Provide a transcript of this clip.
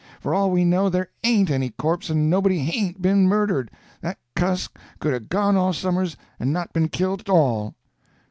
For all we know, there ain't any corpse and nobody hain't been murdered. That cuss could 'a' gone off somers and not been killed at all."